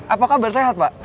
apa kabar sehat pak